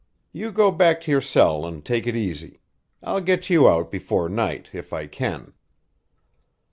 You go back to your cell and take it easy. I'll get you out before night, if I can."